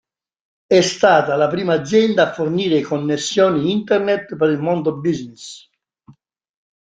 È stata la prima azienda a fornire connessioni Internet per il mondo business.